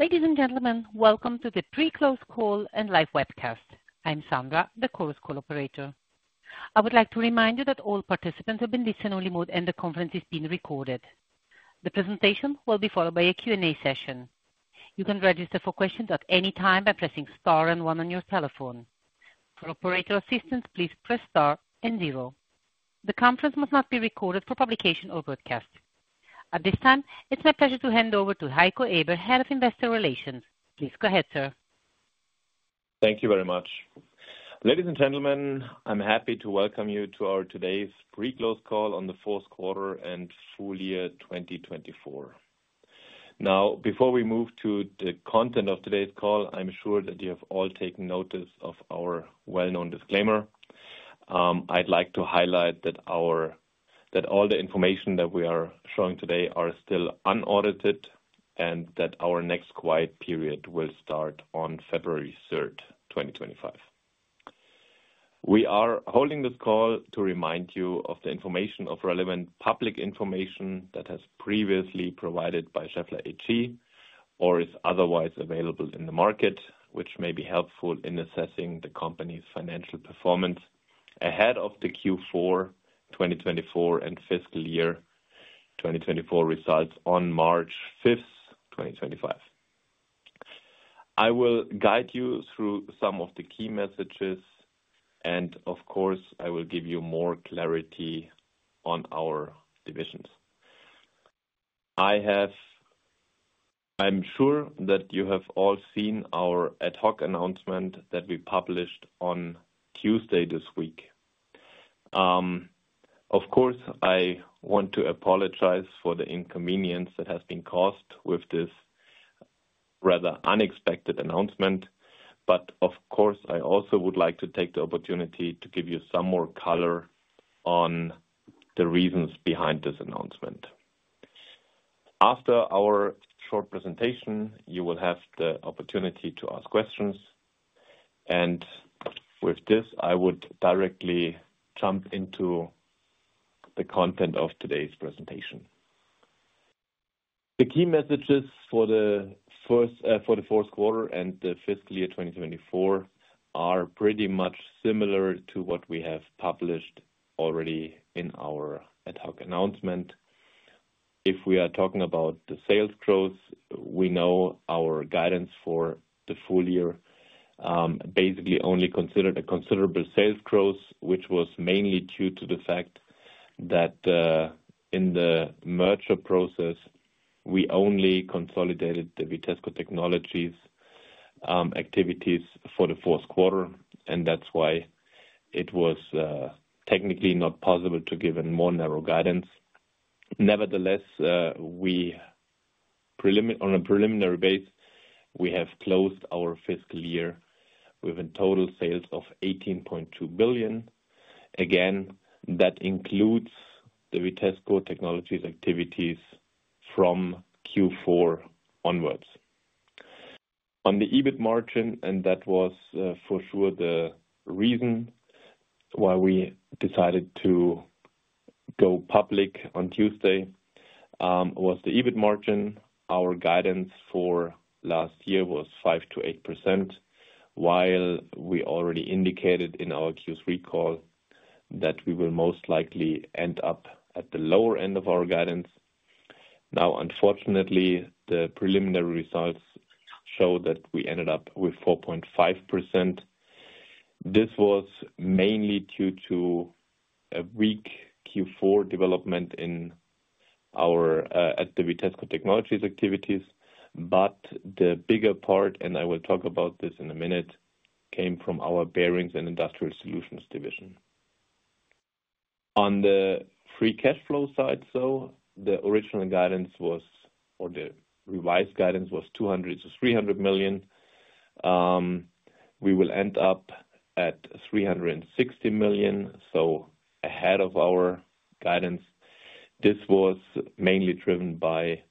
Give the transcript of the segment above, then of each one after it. Ladies and gentlemen, welcome to the Pre-Close Call and Live Webcast. I'm Sandra, the call operator. I would like to remind you that all participants have been placed in listen-only mode, and the conference is being recorded. The presentation will be followed by a Q&A session. You can register for questions at any time by pressing star and one on your telephone. For operator assistance, please press star and zero. The conference must not be recorded for publication or broadcast. At this time, it's my pleasure to hand over to Heiko Eber, Head of Investor Relations. Please go ahead, sir. Thank you very much. Ladies and gentlemen, I'm happy to welcome you to our today's Pre-Close Call on the Fourth Quarter and Full Year 2024. Now, before we move to the content of today's call, I'm sure that you have all taken notice of our well-known disclaimer. I'd like to highlight that all the information that we are showing today are still unaudited and that our next quiet period will start on February 3rd, 2025. We are holding this call to remind you of the information of relevant public information that has previously been provided by Schaeffler AG or is otherwise available in the market, which may be helpful in assessing the company's financial performance ahead of the Q4 2024 and fiscal year 2024 results on March 5th, 2025. I will guide you through some of the key messages, and of course, I will give you more clarity on our divisions. I'm sure that you have all seen our ad hoc announcement that we published on Tuesday this week. Of course, I want to apologize for the inconvenience that has been caused with this rather unexpected announcement, but of course, I also would like to take the opportunity to give you some more color on the reasons behind this announcement. After our short presentation, you will have the opportunity to ask questions, and with this, I would directly jump into the content of today's presentation. The key messages for the fourth quarter and the fiscal year 2024 are pretty much similar to what we have published already in our ad hoc announcement. If we are talking about the sales growth, we know our guidance for the full year basically only considered a considerable sales growth, which was mainly due to the fact that in the merger process, we only consolidated the Vitesco Technologies activities for the fourth quarter, and that's why it was technically not possible to give a more narrow guidance. Nevertheless, on a preliminary basis, we have closed our fiscal year with total sales of 18.2 billion. Again, that includes the Vitesco Technologies activities from Q4 onwards. On the EBIT margin, and that was for sure the reason why we decided to go public on Tuesday, was the EBIT margin. Our guidance for last year was 5%-8%, while we already indicated in our Q3 call that we will most likely end up at the lower end of our guidance. Now, unfortunately, the preliminary results show that we ended up with 4.5%. This was mainly due to a weak Q4 development at the Vitesco Technologies activities, but the bigger part, and I will talk about this in a minute, came from our Bearings & Industrial Solutions division. On the free cash flow side, though, the original guidance was, or the revised guidance was 200 million-300 million. We will end up at 360 million, so ahead of our guidance. This was mainly driven by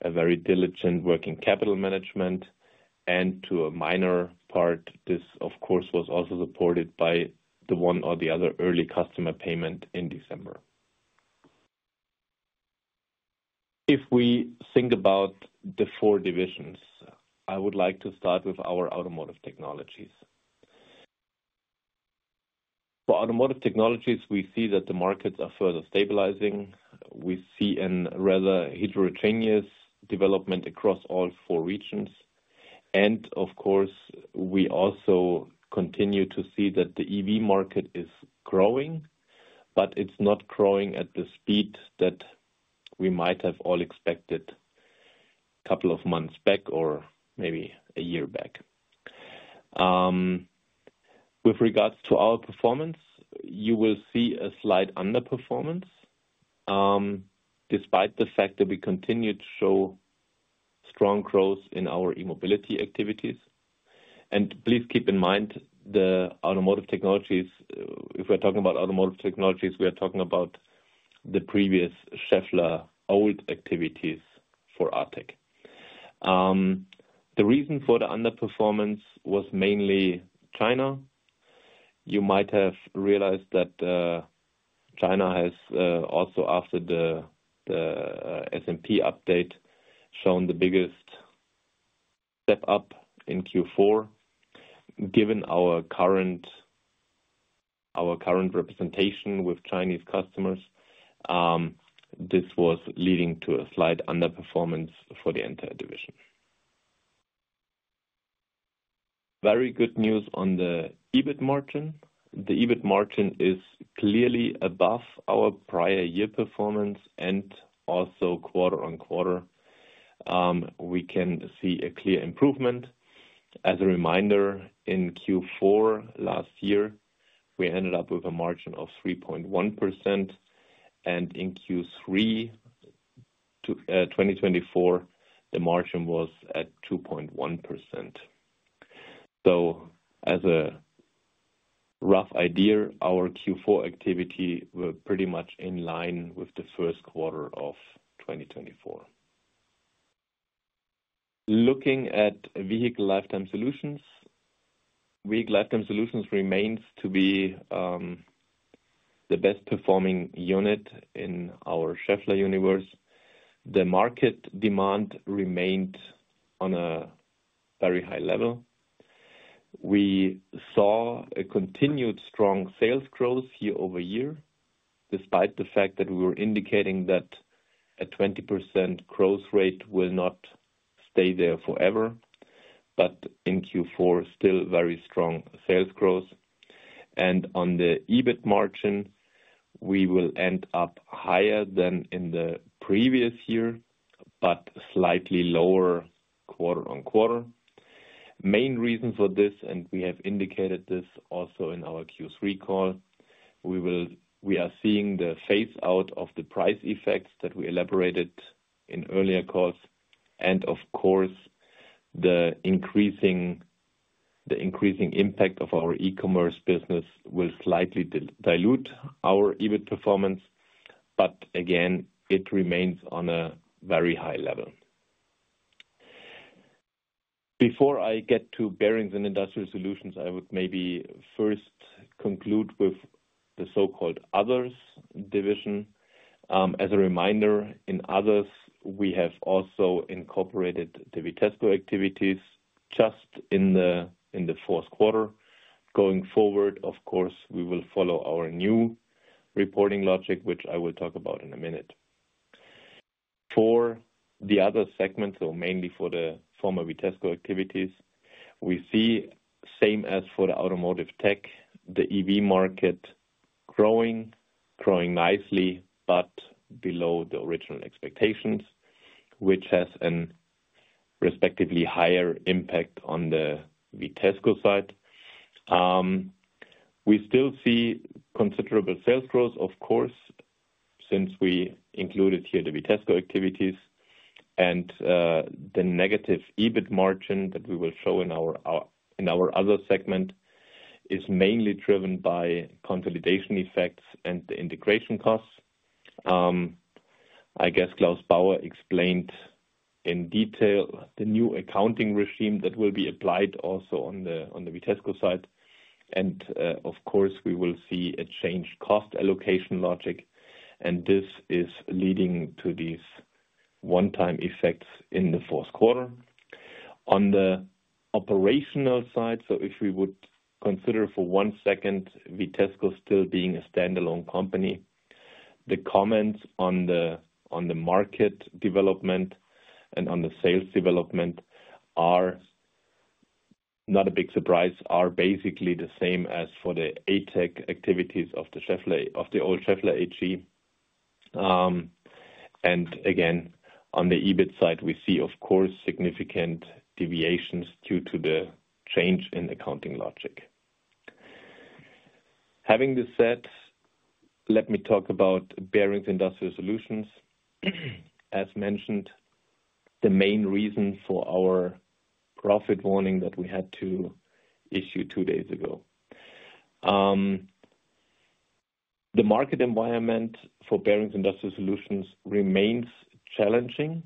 a very diligent working capital management, and to a minor part, this, of course, was also supported by the one or the other early customer payment in December. If we think about the four divisions, I would like to start with our Automotive Technologies. For Automotive Technologies, we see that the markets are further stabilizing. We see a rather heterogeneous development across all four regions. Of course, we also continue to see that the EV market is growing, but it's not growing at the speed that we might have all expected a couple of months back or maybe a year back. With regards to our performance, you will see a slight underperformance despite the fact that we continue to show strong growth in our e-mobility activities. Please keep in mind, if we're talking about Automotive Technologies, we are talking about the previous Schaeffler old activities for ATEC. The reason for the underperformance was mainly China. You might have realized that China has also, after the S&P update, shown the biggest step up in Q4. Given our current representation with Chinese customers, this was leading to a slight underperformance for the entire division. Very good news on the EBIT margin. The EBIT margin is clearly above our prior year performance and also quarter on quarter. We can see a clear improvement. As a reminder, in Q4 last year, we ended up with a margin of 3.1%, and in Q3 2024, the margin was at 2.1%. So, as a rough idea, our Q4 activity was pretty much in line with the first quarter of 2024. Looking at Vehicle Lifetime Solutions, Vehicle Lifetime Solutions remains to be the best-performing unit in our Schaeffler universe. The market demand remained on a very high level. We saw a continued strong sales growth year-over-year, despite the fact that we were indicating that a 20% growth rate will not stay there forever. But in Q4, still very strong sales growth. And on the EBIT margin, we will end up higher than in the previous year, but slightly lower quarter-on-quarter. Main reason for this, and we have indicated this also in our Q3 call, we are seeing the phase-out of the price effects that we elaborated in earlier calls, and of course, the increasing impact of our e-commerce business will slightly dilute our EBIT performance, but again, it remains on a very high level. Before I get to Bearings & Industrial Solutions, I would maybe first conclude with the so-called Others division. As a reminder, in Others, we have also incorporated the Vitesco activities just in the fourth quarter. Going forward, of course, we will follow our new reporting logic, which I will talk about in a minute. For the other segments, so mainly for the former Vitesco activities, we see, same as for the automotive tech, the EV market growing, growing nicely, but below the original expectations, which has a respectively higher impact on the Vitesco side. We still see considerable sales growth, of course, since we included here the Vitesco activities. And the negative EBIT margin that we will show in our other segment is mainly driven by consolidation effects and the integration costs. I guess Klaus Bauer explained in detail the new accounting regime that will be applied also on the Vitesco side. And, of course, we will see a changed cost allocation logic, and this is leading to these one-time effects in the fourth quarter. On the operational side, so if we would consider for one second Vitesco still being a standalone company, the comments on the market development and on the sales development are not a big surprise, are basically the same as for the ATEC activities of the old Schaeffler AG. And again, on the EBIT side, we see, of course, significant deviations due to the change in accounting logic. Having this said, let me talk about Bearings & Industrial Solutions. As mentioned, the main reason for our profit warning that we had to issue two days ago. The market environment for Bearings & Industrial Solutions remains challenging.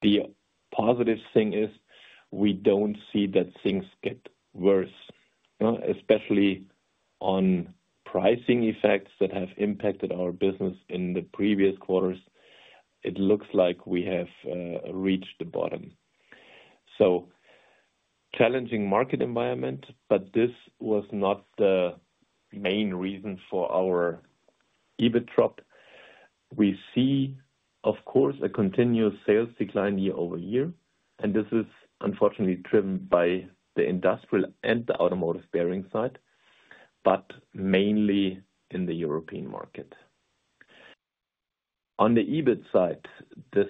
The positive thing is we don't see that things get worse, especially on pricing effects that have impacted our business in the previous quarters. It looks like we have reached the bottom. So, challenging market environment, but this was not the main reason for our EBIT drop. We see, of course, a continuous sales decline year over year, and this is unfortunately driven by the industrial and the automotive bearing side, but mainly in the European market. On the EBIT side, the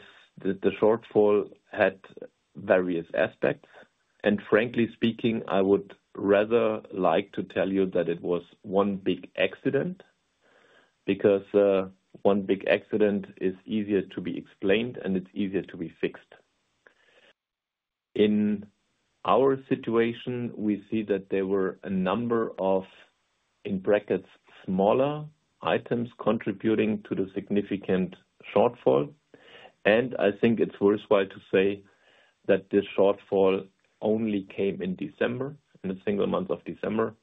shortfall had various aspects. Frankly speaking, I would rather like to tell you that it was one big accident because one big accident is easier to be explained, and it's easier to be fixed. In our situation, we see that there were a number of, in brackets, smaller items contributing to the significant shortfall. I think it's worthwhile to say that this shortfall only came in December, in the single month of December.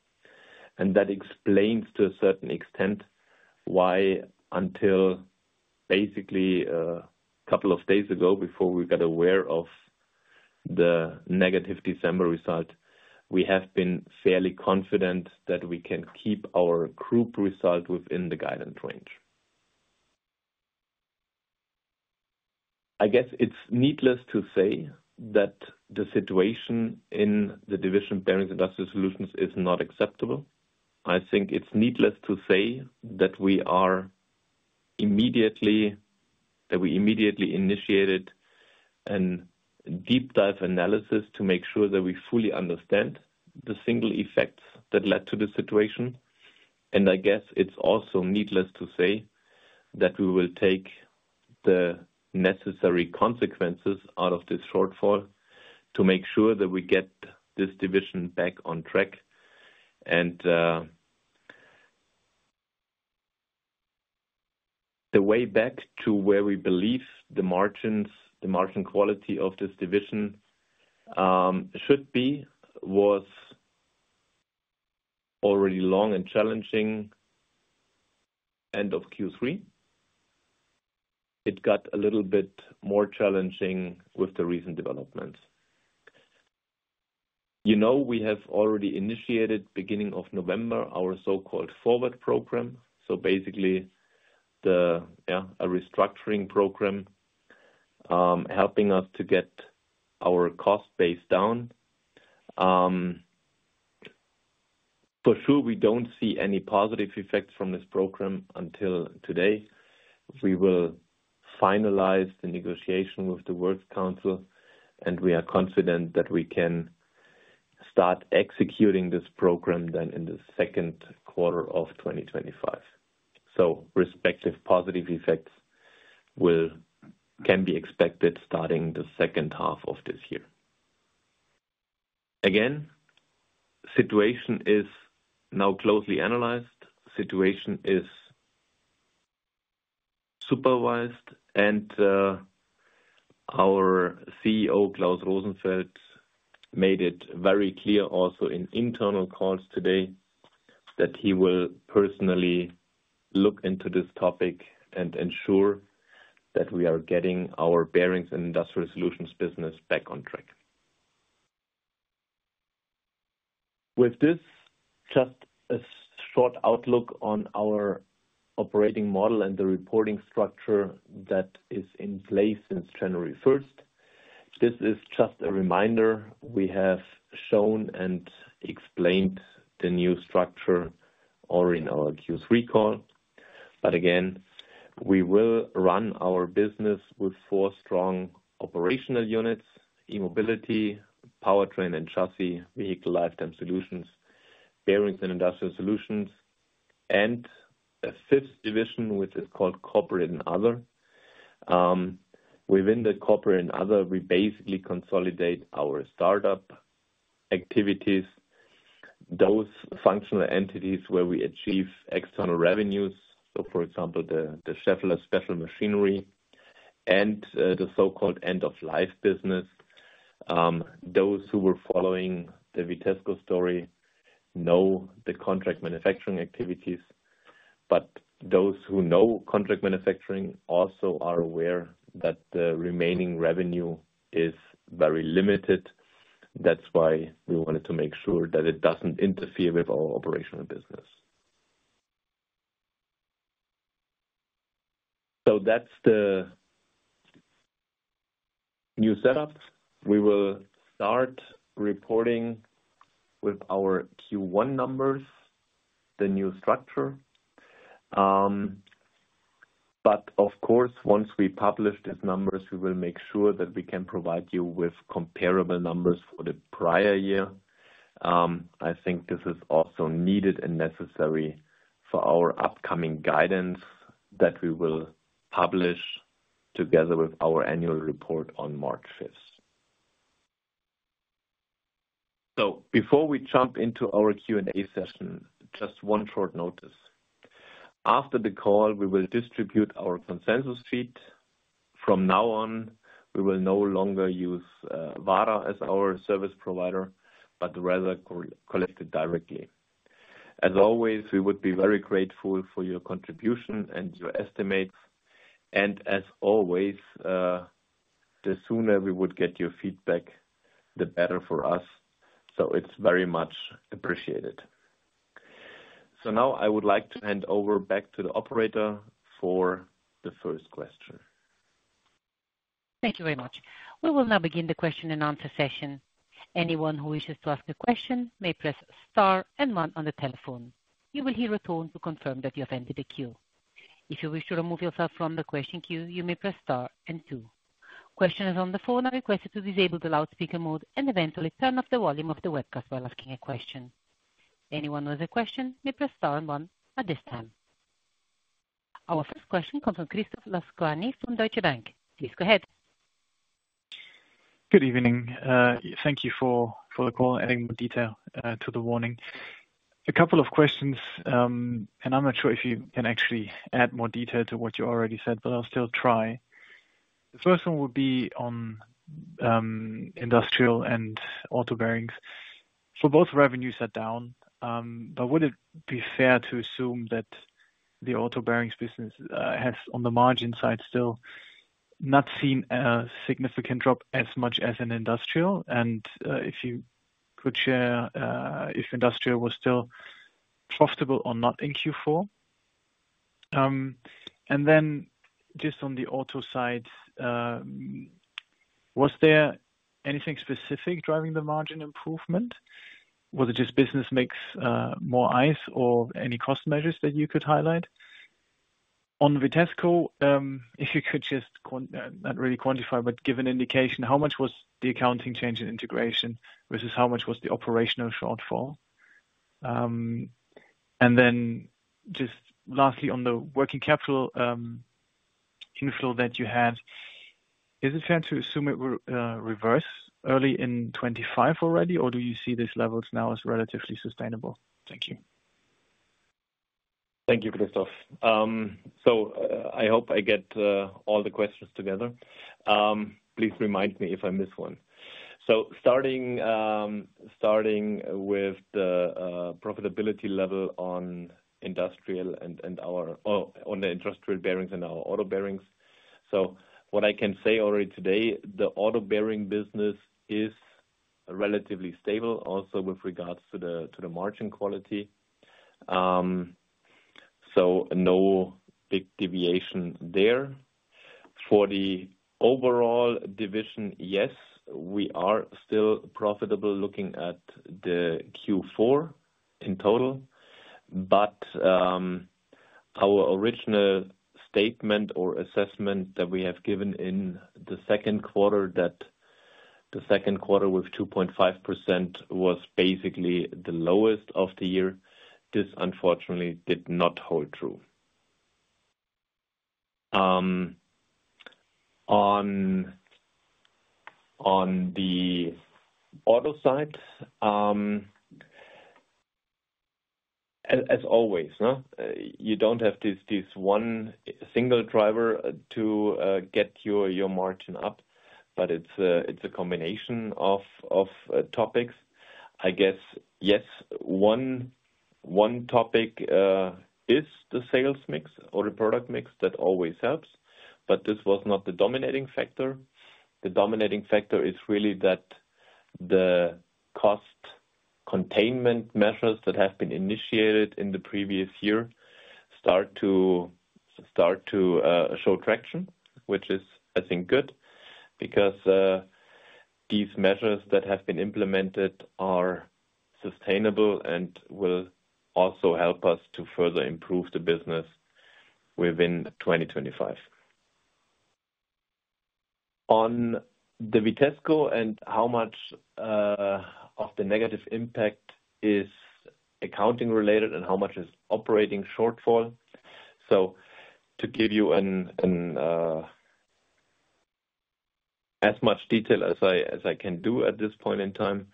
That explains to a certain extent why until basically a couple of days ago before we got aware of the negative December result, we have been fairly confident that we can keep our group result within the guidance range. I guess it's needless to say that the situation in the division Bearings Industrial Solutions is not acceptable. I think it's needless to say that we immediately initiated a deep-dive analysis to make sure that we fully understand the single effects that led to the situation, and I guess it's also needless to say that we will take the necessary consequences out of this shortfall to make sure that we get this division back on track, and the way back to where we believe the margin quality of this division should be was already long and challenging end of Q3. It got a little bit more challenging with the recent developments. You know we have already initiated, beginning of November, our so-called Forward Program, so basically, a restructuring program helping us to get our cost base down. For sure, we don't see any positive effects from this program until today. We will finalize the negotiation with the works council, and we are confident that we can start executing this program then in the second quarter of 2025, so respective positive effects can be expected starting the second half of this year. Again, the situation is now closely analyzed. The situation is supervised, and our CEO, Klaus Rosenfeld, made it very clear also in internal calls today that he will personally look into this topic and ensure that we are getting our Bearings & Industrial Solutions business back on track. With this, just a short outlook on our operating model and the reporting structure that is in place since January 1st. This is just a reminder. We have shown and explained the new structure already in our Q3 call. But again, we will run our business with four strong operational units: E-Mobility, Powertrain and Chassis, Vehicle Lifetime Solutions, Bearings & Industrial Solutions, and a fifth division, which is called Corporate and Other. Within the Corporate and Other, we basically consolidate our startup activities, those functional entities where we achieve external revenues. So, for example, the Schaeffler Special Machinery and the so-called end-of-life business. Those who were following the Vitesco story know the contract manufacturing activities. But those who know contract manufacturing also are aware that the remaining revenue is very limited. That's why we wanted to make sure that it doesn't interfere with our operational business. So that's the new setup. We will start reporting with our Q1 numbers, the new structure. But, of course, once we publish these numbers, we will make sure that we can provide you with comparable numbers for the prior year. I think this is also needed and necessary for our upcoming guidance that we will publish together with our annual report on March 5th. So, before we jump into our Q&A session, just one short notice. After the call, we will distribute our consensus sheet. From now on, we will no longer use Vara as our service provider, but rather collect it directly. As always, we would be very grateful for your contribution and your estimates. And, as always, the sooner we would get your feedback, the better for us. So it's very much appreciated. So now I would like to hand over back to the operator for the first question. Thank you very much. We will now begin the question and answer session. Anyone who wishes to ask a question may press star and one on the telephone. You will hear a tone to confirm that you have entered the queue. If you wish to remove yourself from the question queue, you may press star and two. Questioners on the phone are requested to disable the loudspeaker mode and eventually turn off the volume of the webcast while asking a question. Anyone with a question may press star and one at this time. Our first question comes from Christoph Laskawi from Deutsche Bank. Please go ahead. Good evening. Thank you for the call and adding more detail to the warning. A couple of questions, and I'm not sure if you can actually add more detail to what you already said, but I'll still try. The first one would be on industrial and auto bearings. For both revenues are down, but would it be fair to assume that the auto bearings business has, on the margin side, still not seen a significant drop as much as in industrial? And if you could share if industrial was still profitable or not in Q4? And then just on the auto side, was there anything specific driving the margin improvement? Was it just business mix more ICE or any cost measures that you could highlight? On Vitesco, if you could just not really quantify, but give an indication, how much was the accounting change in integration versus how much was the operational shortfall? And then just lastly, on the working capital inflow that you had, is it fair to assume it reversed early in 2025 already, or do you see these levels now as relatively sustainable? Thank you. Thank you, Christoph. I hope I get all the questions together. Please remind me if I miss one, so starting with the profitability level on industrial and on the industrial bearings and our auto bearings. What I can say already today, the auto bearing business is relatively stable, also with regards to the margin quality, so no big deviation there. For the overall division, yes, we are still profitable looking at the Q4 in total, but our original statement or assessment that we have given in the second quarter, that the second quarter with 2.5% was basically the lowest of the year, this unfortunately did not hold true. On the auto side, as always, you don't have this one single driver to get your margin up, but it's a combination of topics. I guess, yes, one topic is the sales mix or the product mix that always helps, but this was not the dominating factor. The dominating factor is really that the cost containment measures that have been initiated in the previous year start to show traction, which is, I think, good because these measures that have been implemented are sustainable and will also help us to further improve the business within 2025. On the Vitesco and how much of the negative impact is accounting related and how much is operating shortfall? So to give you as much detail as I can do at this point in time,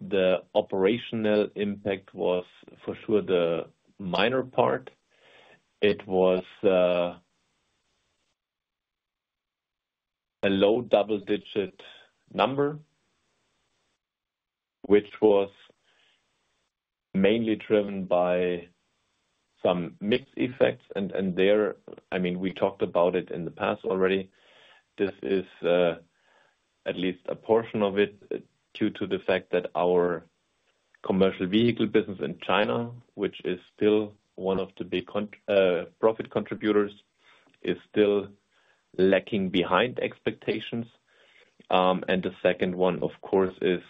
the operational impact was for sure the minor part. It was a low double-digit number, which was mainly driven by some mixed effects, and there, I mean, we talked about it in the past already. This is at least a portion of it due to the fact that our commercial vehicle business in China, which is still one of the big profit contributors, is still lagging behind expectations, and the second one, of course, is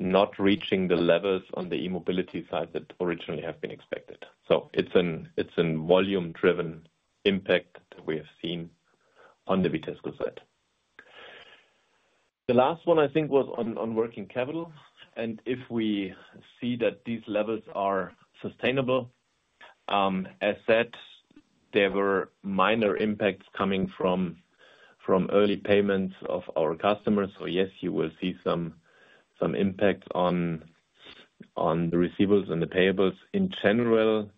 not reaching the levels on the e-mobility side that originally have been expected, so it's a volume-driven impact that we have seen on the Vitesco side. The last one, I think, was on working capital, and if we see that these levels are sustainable, as said, there were minor impacts coming from early payments of our customers, so yes, you will see some impact on the receivables and the payables. In general,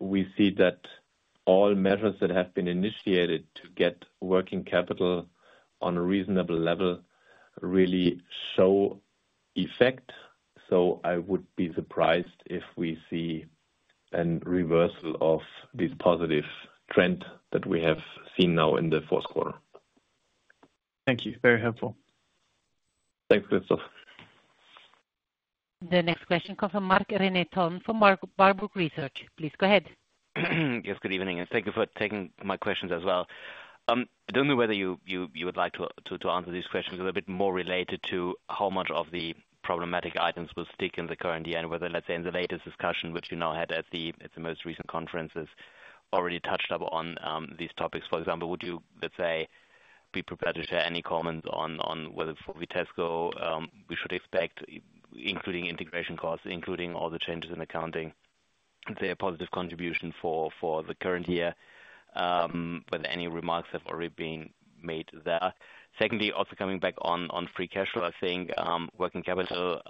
we see that all measures that have been initiated to get working capital on a reasonable level really show effect. So I would be surprised if we see a reversal of this positive trend that we have seen now in the fourth quarter. Thank you. Very helpful. Thanks, Christoph. The next question comes from Marc-René Tonn from Warburg Research. Please go ahead. Yes, good evening. And thank you for taking my questions as well. I don't know whether you would like to answer these questions because they're a bit more related to how much of the problematic items will stick in the current year and whether, let's say, in the latest discussion, which you now had at the most recent conferences, already touched upon these topics. For example, would you, let's say, be prepared to share any comments on whether for Vitesco we should expect, including integration costs, including all the changes in accounting, their positive contribution for the current year, whether any remarks have already been made there? Secondly, also coming back on free cash flow, I think working capital,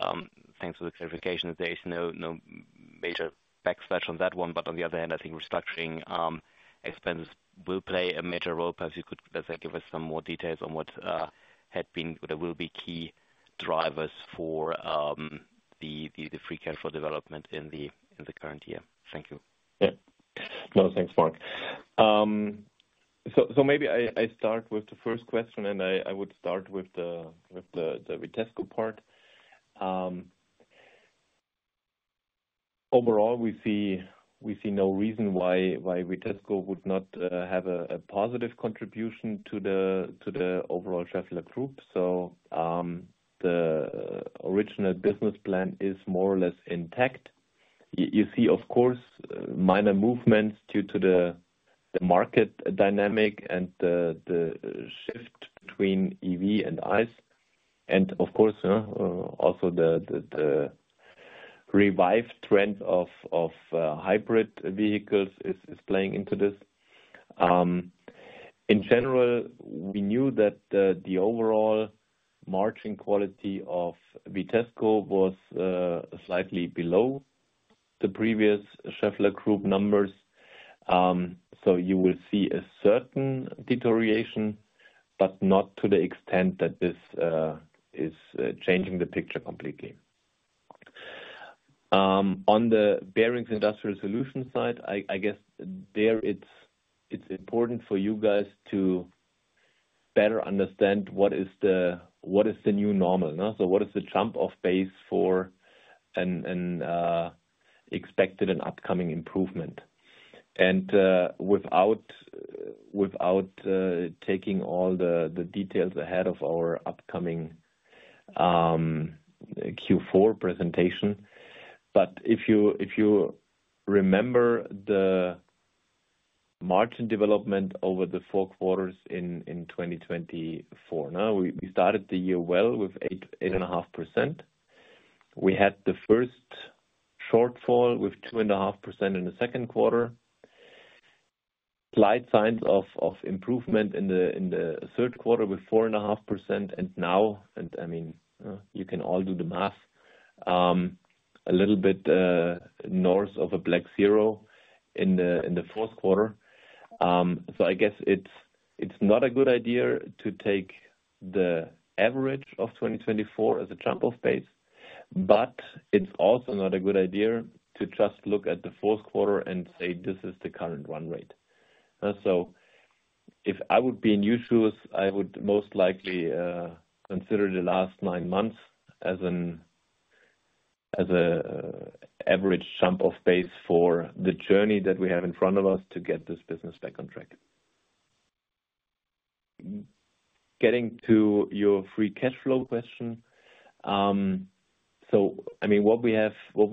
thanks for the clarification. There is no major backlash on that one. But on the other hand, I think restructuring expenses will play a major role. Perhaps you could, let's say, give us some more details on what had been or will be key drivers for the free cash flow development in the current year. Thank you. Yeah. No, thanks, Mark. So maybe I start with the first question, and I would start with the Vitesco part. Overall, we see no reason why Vitesco would not have a positive contribution to the overall Schaeffler Group. So the original business plan is more or less intact. You see, of course, minor movements due to the market dynamics and the shift between EV and ICE. And, of course, also the revived trend of hybrid vehicles is playing into this. In general, we knew that the overall margin quality of Vitesco was slightly below the previous Schaeffler group numbers. So you will see a certain deterioration, but not to the extent that this is changing the picture completely. On the Bearings & Industrial Solutions side, I guess there it's important for you guys to better understand what is the new normal. So what is the jump-off base for an expected and upcoming improvement? And without taking all the details ahead of our upcoming Q4 presentation, but if you remember the margin development over the four quarters in 2024, we started the year well with 8.5%. We had the first shortfall with 2.5% in the second quarter, slight signs of improvement in the third quarter with 4.5%. And now, I mean, you can all do the math, a little bit north of a black zero in the fourth quarter. I guess it's not a good idea to take the average of 2024 as a jump-off base, but it's also not a good idea to just look at the fourth quarter and say, "This is the current run rate." If I would be in your shoes, I would most likely consider the last nine months as an average jump-off base for the journey that we have in front of us to get this business back on track. Getting to your free cash flow question, so I mean, what we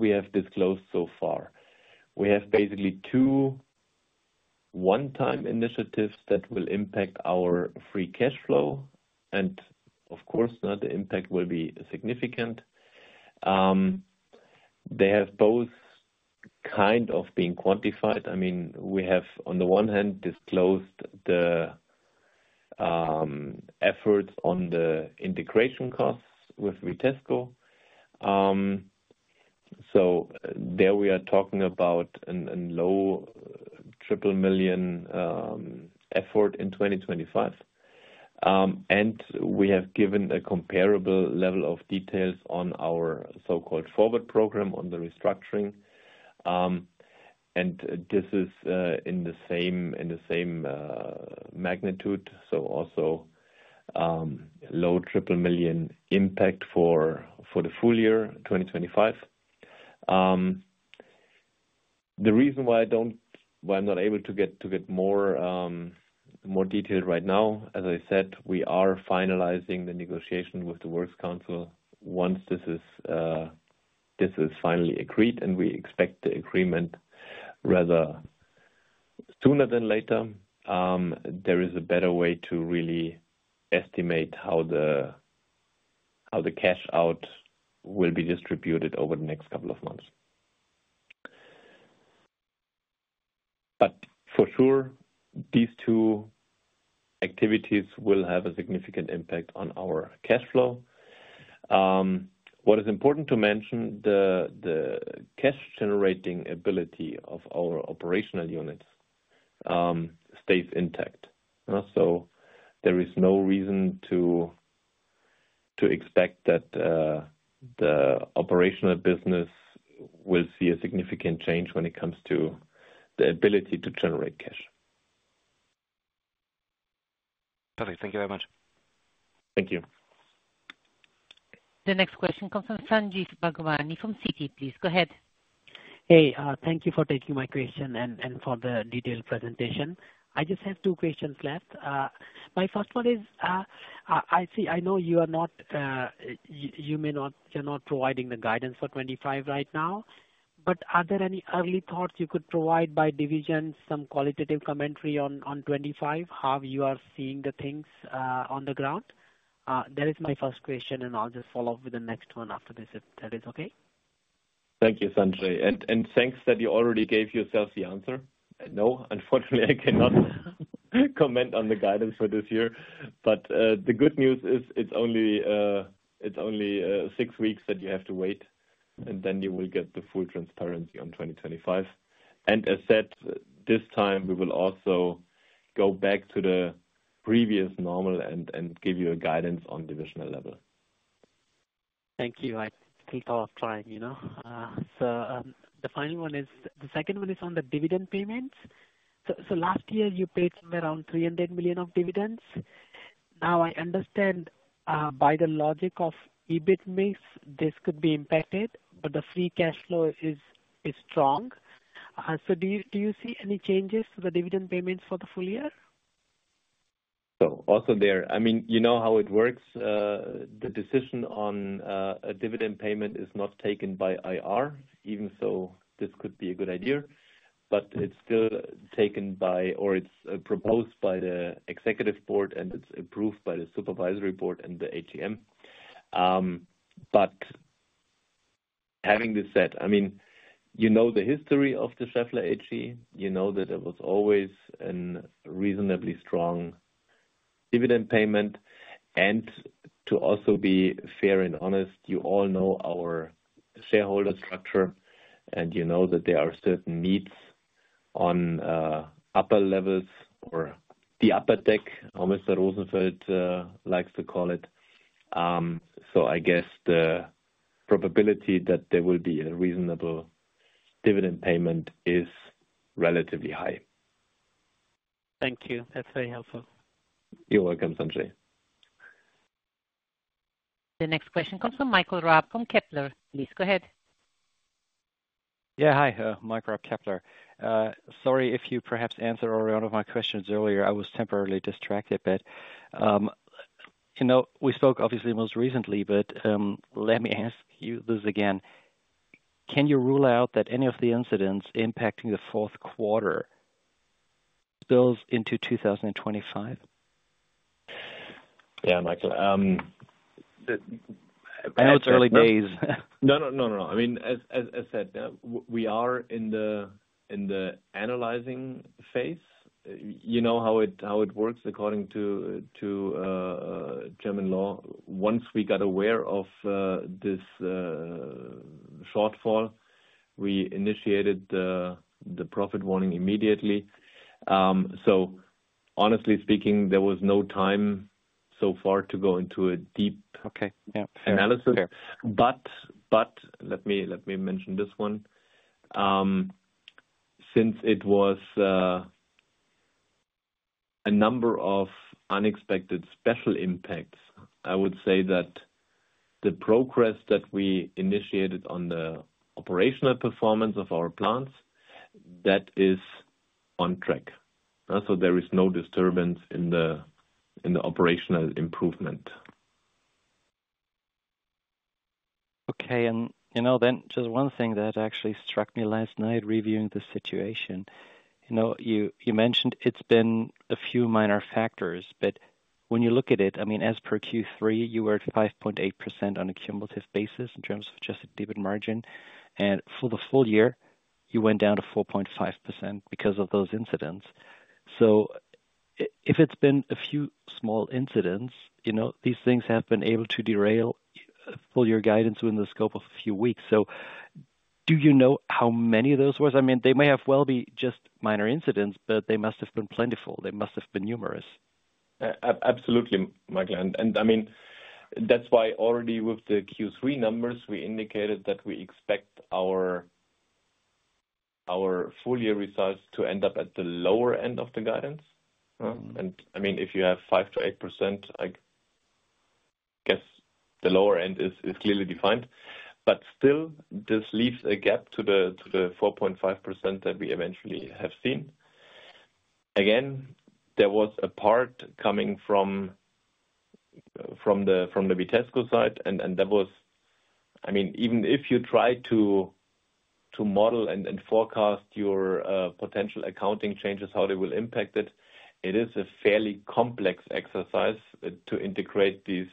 have disclosed so far, we have basically two one-time initiatives that will impact our free cash flow. Of course, the impact will be significant. They have both kind of been quantified. I mean, we have, on the one hand, disclosed the efforts on the integration costs with Vitesco. So there we are talking about a low triple million effort in 2025. And we have given a comparable level of details on our so-called Forward Program on the restructuring. And this is in the same magnitude, so also low triple million impact for the full year, 2025. The reason why I'm not able to get more detailed right now, as I said, we are finalizing the negotiation with the works council once this is finally agreed, and we expect the agreement rather sooner than later. There is a better way to really estimate how the cash out will be distributed over the next couple of months. But for sure, these two activities will have a significant impact on our cash flow. What is important to mention, the cash-generating ability of our operational units stays intact. So there is no reason to expect that the operational business will see a significant change when it comes to the ability to generate cash. Perfect. Thank you very much. Thank you. The next question comes from Sanjay Bhagwani from Citi, please. Go ahead. Hey, thank you for taking my question and for the detailed presentation. I just have two questions left. My first one is, Heiko I know you are not you may not be providing the guidance for 2025 right now, but are there any early thoughts you could provide by division, some qualitative commentary on 2025, how you are seeing the things on the ground? That is my first question, and I'll just follow up with the next one after this, if that is okay. Thank you, Sanjay. And thanks that you already gave yourself the answer. No, unfortunately, I cannot comment on the guidance for this year, but the good news is it's only six weeks that you have to wait, and then you will get the full transparency on 2025. And as said, this time, we will also go back to the previous normal and give you guidance on divisional level. Thank you. I think I'll try. The final one is on the dividend payments. Last year, you paid around 300 million of dividends. Now, I understand by the logic of EBIT mix, this could be impacted, but the free cash flow is strong. Do you see any changes to the dividend payments for the full year? Also there, I mean, you know how it works. The decision on a dividend payment is not taken by IR, even though this could be a good idea, but it's still taken by or it's proposed by the executive board, and it's approved by the supervisory board and the AGM. But having this said, I mean, you know the history of the Schaeffler AG. You know that there was always a reasonably strong dividend payment. And to also be fair and honest, you all know our shareholder structure, and you know that there are certain needs on upper levels or the upper deck, how Mr. Rosenfeld likes to call it. So I guess the probability that there will be a reasonable dividend payment is relatively high. Thank you. That's very helpful. You're welcome, Sanjay. The next question comes from Michael Raab from Kepler Cheuvreux. Please go ahead. Yeah. Hi, Michael Raab, Kepler Cheuvreux. Sorry if you perhaps answered already one of my questions earlier. I was temporarily distracted, but we spoke, obviously, most recently, but let me ask you this again. Can you rule out that any of the incidents impacting the fourth quarter spills into 2025? Yeah, Michael. I know it's early days. No, no, no, no, no. I mean, as I said, we are in the analyzing phase. You know how it works according to German law. Once we got aware of this shortfall, we initiated the profit warning immediately. So honestly speaking, there was no time so far to go into a deep analysis. But let me mention this one. Since it was a number of unexpected special impacts, I would say that the progress that we initiated on the operational performance of our plants, that is on track. So there is no disturbance in the operational improvement. Okay. Then just one thing that actually struck me last night reviewing the situation. You mentioned it's been a few minor factors, but when you look at it, I mean, as per Q3, you were at 5.8% on a cumulative basis in terms of just the EBIT margin. And for the full year, you went down 4.5% because of those incidents. So if it's been a few small incidents, these things have been able to derail full-year guidance within the scope of a few weeks. So do you know how many of those were? I mean, they may well have been just minor incidents, but they must have been plentiful. They must have been numerous. Absolutely, Michael. And I mean, that's why already with the Q3 numbers, we indicated that we expect our full-year results to end up at the lower end of the guidance. I mean, if you have 5%-8%, I guess the lower end is clearly defined. But still, this leaves a gap to the 4.5% that we eventually have seen. Again, there was a part coming from the Vitesco side, and that was, I mean, even if you try to model and forecast your potential accounting changes, how they will impact it, it is a fairly complex exercise to integrate these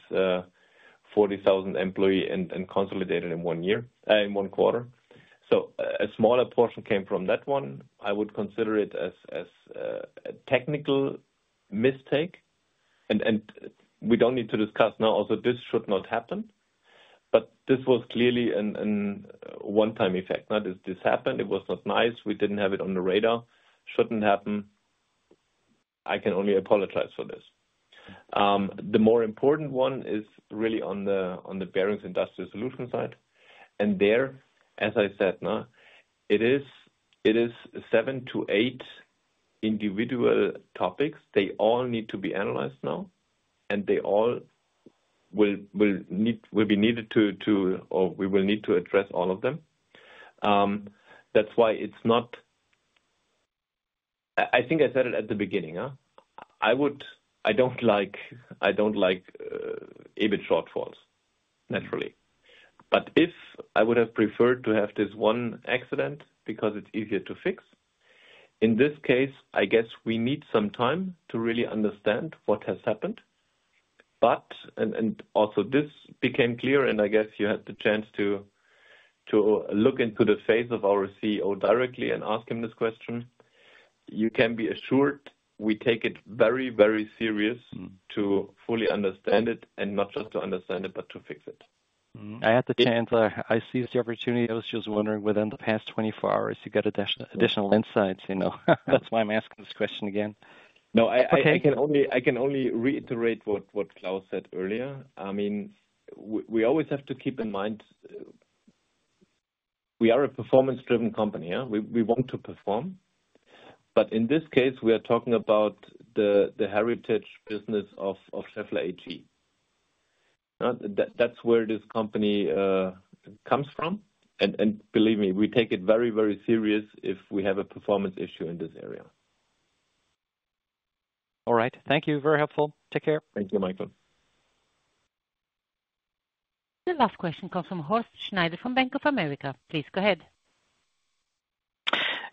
40,000 employees and consolidate it in one quarter. So a smaller portion came from that one. I would consider it as a technical mistake. And we don't need to discuss now. Also, this should not happen. But this was clearly a one-time effect. This happened. It was not nice. We didn't have it on the radar. Shouldn't happen. I can only apologize for this. The more important one is really on the Bearings & Industrial Solutions side. And there, as I said, it is seven to eight individual topics. They all need to be analyzed now, and they all will be needed to, or we will need to address all of them. That's why it's not, I think I said it at the beginning. I don't like EBIT shortfalls, naturally. But if I would have preferred to have this one accident because it's easier to fix, in this case, I guess we need some time to really understand what has happened. But also this became clear, and I guess you had the chance to look into the face of our CEO directly and ask him this question. You can be assured we take it very, very serious to fully understand it and not just to understand it, but to fix it. I had the chance. I seized the opportunity. I was just wondering, within the past 24 hours, you got additional insights. That's why I'm asking this question again. No, I can only reiterate what Klaus said earlier. I mean, we always have to keep in mind we are a performance-driven company. We want to perform. But in this case, we are talking about the heritage business of Schaeffler AG. That's where this company comes from. And believe me, we take it very, very serious if we have a performance issue in this area. All right. Thank you. Very helpful. Take care. Thank you, Michael. The last question comes from Horst Schneider from Bank of America. Please go ahead.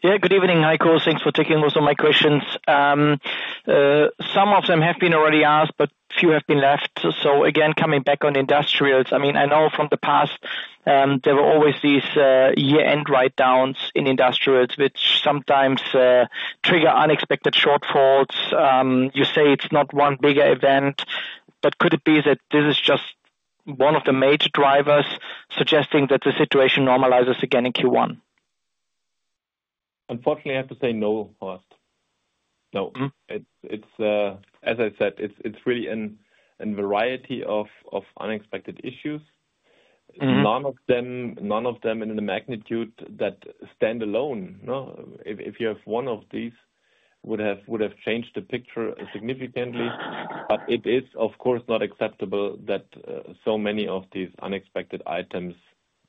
Yeah. Good evening, Michael. Thanks for taking also my questions. Some of them have been already asked, but few have been left. So again, coming back on industrials, I mean, I know from the past, there were always these year-end write-downs in industrials, which sometimes trigger unexpected shortfalls. You say it's not one bigger event, but could it be that this is just one of the major drivers suggesting that the situation normalizes again in Q1? Unfortunately, I have to say no, Horst. No. As I said, it's really a variety of unexpected issues. None of them in the magnitude that stand alone. If you have one of these, it would have changed the picture significantly. But it is, of course, not acceptable that so many of these unexpected items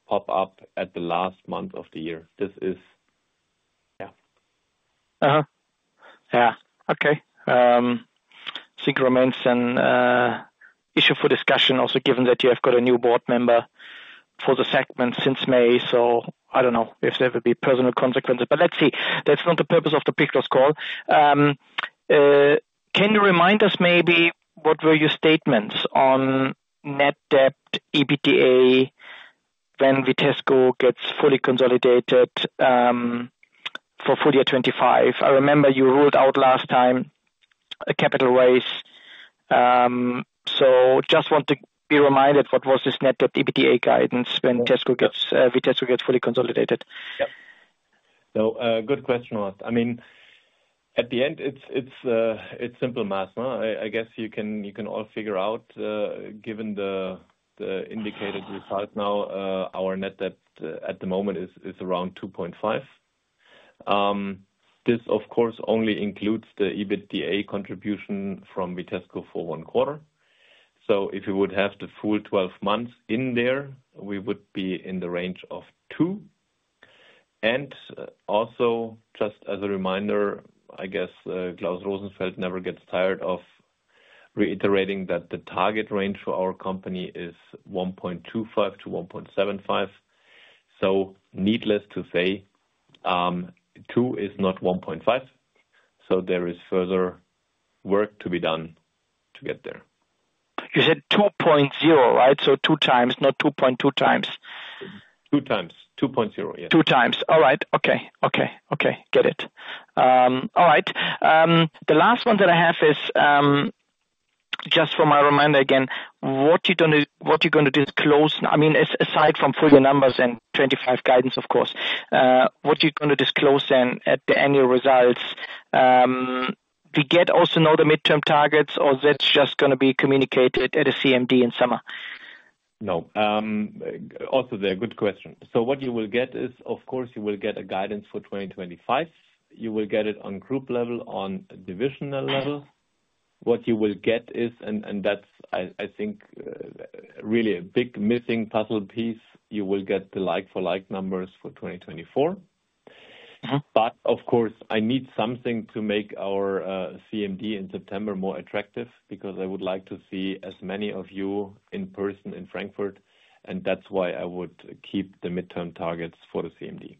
pop up at the last month of the year. This is yeah. Yeah. Okay. You mentioned an issue for discussion, also given that you have got a new board member for the segment since May. So I don't know if there will be personal consequences. But let's see. That's not the purpose of the Pre-Close call. Can you remind us maybe what were your statements on net debt, EBITDA, when Vitesco gets fully consolidated for full year 2025? I remember you ruled out last time a capital raise. So just want to be reminded, what was this net debt, EBITDA guidance when Vitesco gets fully consolidated? Yeah. So good question, Horst. I mean, at the end, it's simple math. I guess you can all figure out, given the indicated result now, our net debt at the moment is around 2.5. This, of course, only includes the EBITDA contribution from Vitesco for one quarter. So if you would have the full 12 months in there, we would be in the range of 2. Also, just as a reminder, I guess Klaus Rosenfeld never gets tired of reiterating that the target range for our company is 1.25-1.75. So needless to say, 2 is not 1.5. So there is further work to be done to get there. You said 2.0, right? So 2 times, not 2.2 times. Two times. 2.0, yes. Two times. All right. Okay. Okay. Okay. Get it. All right. The last one that I have is just for my reminder again, what you're going to disclose, I mean, aside from full year numbers and 2025 guidance, of course, what you're going to disclose then at the annual results, do you also get to know the midterm targets, or that's just going to be communicated at a CMD in summer? No. That's a good question. So what you will get is, of course, you will get a guidance for 2025. You will get it on group level, on divisional level. What you will get is, and that's, I think, really a big missing puzzle piece, you will get the like-for-like numbers for 2024, but of course, I need something to make our CMD in September more attractive because I would like to see as many of you in person in Frankfurt, and that's why I would keep the midterm targets for the CMD,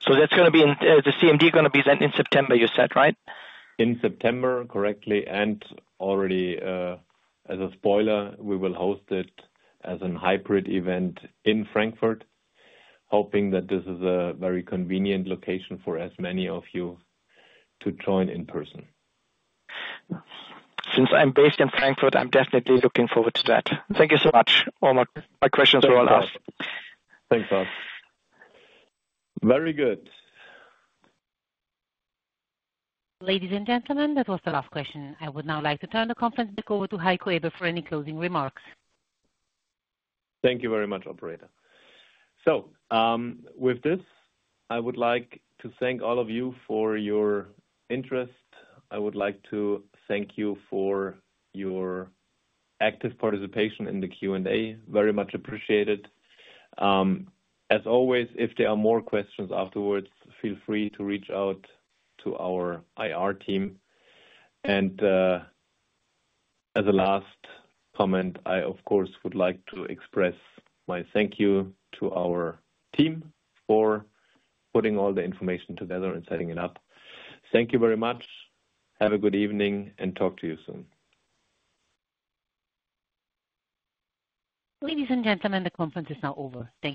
So that's going to be the CMD going to be done in September, you said, right? In September, correctly, and already, as a spoiler, we will host it as a hybrid event in Frankfurt, hoping that this is a very convenient location for as many of you to join in person. Since I'm based in Frankfurt, I'm definitely looking forward to that. Thank you so much. All my questions were well asked. Thanks, Horst. Very good. Ladies and gentlemen, that was the last question. I would now like to turn the conference back over to Heiko Eber for any closing remarks. Thank you very much, Operator. So with this, I would like to thank all of you for your interest. I would like to thank you for your active participation in the Q&A. Very much appreciated. As always, if there are more questions afterwards, feel free to reach out to our IR team. And as a last comment, I, of course, would like to express my thank you to our team for putting all the information together and setting it up. Thank you very much. Have a good evening and talk to you soon. Ladies and gentlemen, the conference is now over. Thank you.